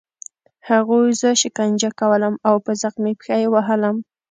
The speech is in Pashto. هغوی زه شکنجه کولم او په زخمي پښه یې وهلم